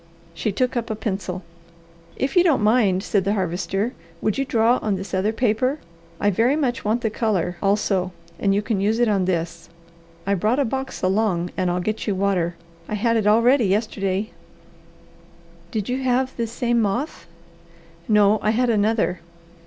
She took up a pencil. "If you don't mind," said the Harvester, "would you draw on this other paper? I very much want the colour, also, and you can use it on this. I brought a box along, and I'll get you water. I had it all ready yesterday." "Did you have this same moth?" "No, I had another."